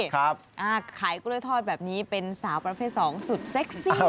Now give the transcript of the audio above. ขายกล้วยทอดแบบนี้เป็นสาวประเภทสองสุดเซ็ก